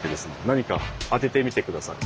何か当ててみて下さい。